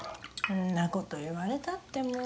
んなこと言われたってもう。